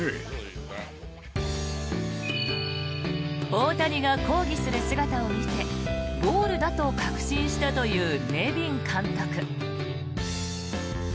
大谷が抗議する姿を見てボールだと確信したというネビン監督。